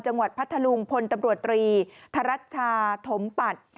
จังหวัดพัทธลุงพลตำรวจตรีธรรัชาธมปัตย์